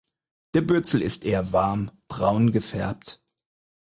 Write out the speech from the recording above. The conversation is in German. Der Bürzel ist eher warm braun gefärbt.